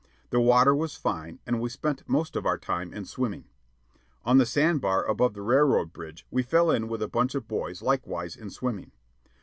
The water was fine, and we spent most of our time in swimming. On the sand bar above the railroad bridge we fell in with a bunch of boys likewise in swimming.